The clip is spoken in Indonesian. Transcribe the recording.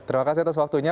terima kasih atas waktunya